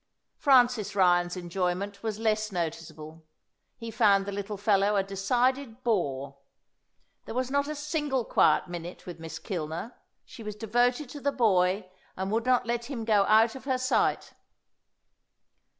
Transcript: Francis Ryan's enjoyment was less noticeable; he found the little fellow a decided bore. There was not a single quiet minute with Miss Kilner; she was devoted to the boy, and would not let him go out of her sight.